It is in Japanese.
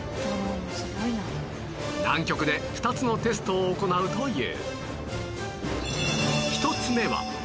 南極で２つのテストを行うという